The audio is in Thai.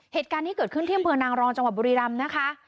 เหตุการณ์ที่เกิดขึ้นเที่ยวเมืองนางรองจังหวะบุรีรำนะคะ